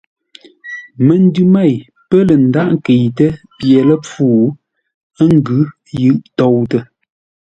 Məndʉ mêi pə̂ lə̂ ndághʼ ńkəitə́ pye ləpfû, ə́ ngʉ́ yʉʼ toutə.